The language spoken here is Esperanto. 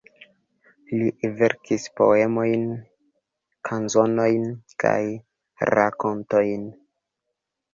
Li verkis poemojn, kanzonojn kaj rakontojn.